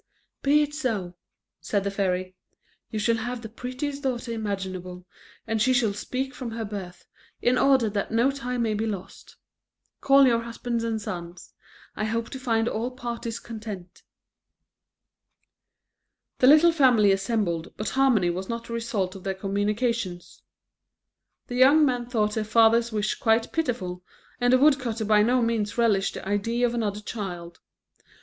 "Be it so," said the fairy; "you shall have the prettiest daughter imaginable, and she shall speak from her birth, in order that no time may be lost. Call your husband and sons; I hope to find all parties content." The little family assembled, but harmony was not the result of their communications. The young men thought their father's wish quite pitiful, and the woodcutter by no means relished the idea of another child.